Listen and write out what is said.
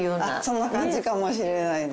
そんな感じかもしれないです。